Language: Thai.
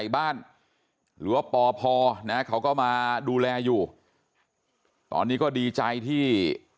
บ้านหรือว่าปพนะเขาก็มาดูแลอยู่ตอนนี้ก็ดีใจที่